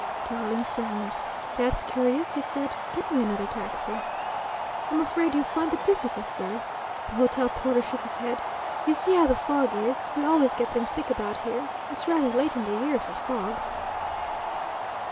Tarling frowned. "That's curious," he said. "Get me another taxi." "I'm afraid you'll find that difficult, sir." The hotel porter shook his head. "You see how the fog is we always get them thick about here it's rather late in the year for fogs..."